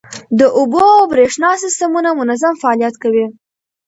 د اوبو او بریښنا سیستمونه منظم فعالیت کوي.